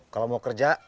kalo mau kerja